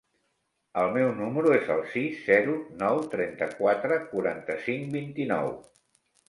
El meu número es el sis, zero, nou, trenta-quatre, quaranta-cinc, vint-i-nou.